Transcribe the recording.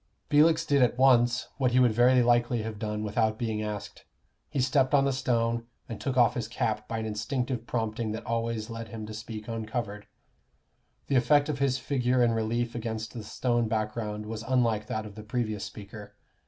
Felix did at once what he would very likely have done without being asked he stepped on the stone, and took off his cap by an instinctive prompting that always led him to speak uncovered. The effect of his figure in relief against the stone background was unlike that of the previous speaker.